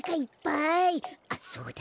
あっそうだ。